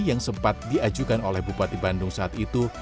yang sempat diajukan oleh bupati bandung saat itu